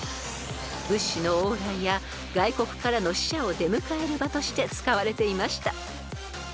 ［物資の往来や外国からの使者を出迎える場として使われていました］